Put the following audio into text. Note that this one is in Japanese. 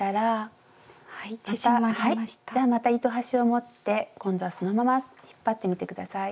じゃあまた糸端を持って今度はそのまま引っ張ってみて下さい。